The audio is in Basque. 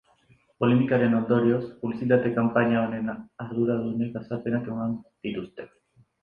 Polemikaren ondorioz, publizitate kanpaina honen arduradunek azalpenak eman dituzte.